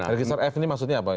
register f ini maksudnya apa